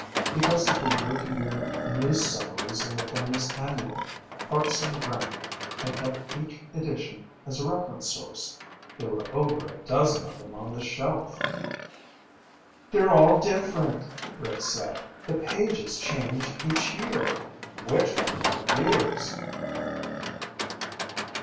Because of the year to year news summaries in the famous annual, Hartson Brant had kept each edition as a reference source. There were over a dozen of them on the shelf. "They're all different," Rick said. "The pages change each year. Which one did he use?"